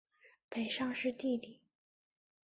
北尚是弟弟。